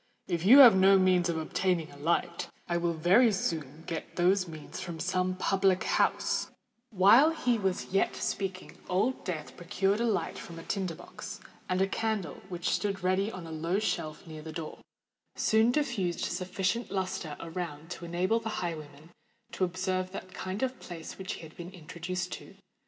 If you have no means of obtaining a light, I will very soon get those means from some public house——" While he was yet speaking Old Death procured a light from a tinder box; and a candle, which stood ready on a low shelf near the door, soon diffused sufficient lustre around to enable the highwayman to observe what kind of place he had been introduced into.